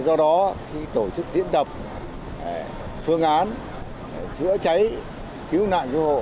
do đó khi tổ chức diễn tập phương án chữa cháy cứu nạn cứu hộ